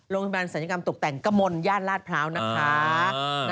โรงพยาบาลศัลยกรรมตกแต่งกะมนต์ย่านราชพร้าวนะคะ